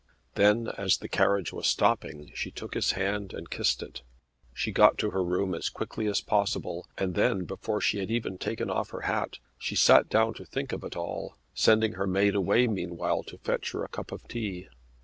Then, as the carriage was stopping, she took his hand and kissed it. She got to her room as quickly as possible; and then, before she had even taken off her hat, she sat down to think of it all, sending her maid away meanwhile to fetch her a cup of tea.